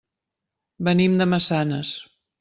Venim de Massanes.